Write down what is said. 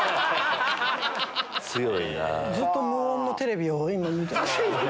ずっと無音のテレビを見てます。